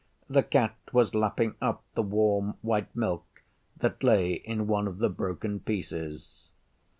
the Cat was lapping up the warm white milk that lay in one of the broken pieces.